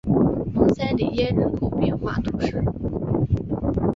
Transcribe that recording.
蒙塞里耶人口变化图示